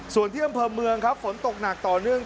ส่วนที่อำเภอเมืองครับฝนตกหนักต่อเนื่อง